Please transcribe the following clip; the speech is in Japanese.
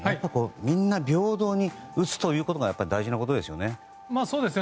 みんな平等に打つということが大事なことですね。